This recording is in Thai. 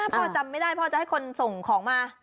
จำไม่ได้พ่อจะให้คนส่งของมา